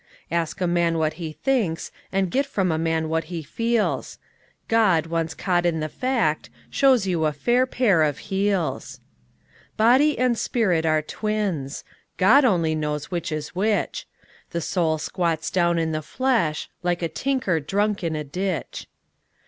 Ask a man what he thinks, and get from a man what he feels: God, once caught in the fact, shows you a fair pair of heels. Body and spirit are twins: God only knows which is which: The soul squats down in the flesh, like a tinker drunk in a ditch.